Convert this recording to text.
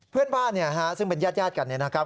เพื่อนบ้านซึ่งเป็นญาติกันเนี่ยนะครับ